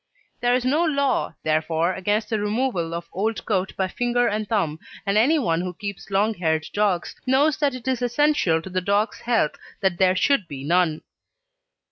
There is no law, therefore, against the removal of old coat by finger and thumb, and anyone who keeps long haired dogs knows that it is essential to the dog's health that there should be none.